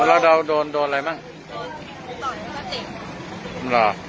แล้วเราโดนโดนอะไรบ้างไม่โดนไม่รู้จัก